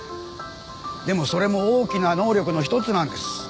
でもそれも大きな能力の一つなんです。